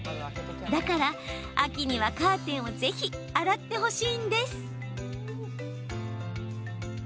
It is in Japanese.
だから、秋にはカーテンをぜひ洗ってほしいんです。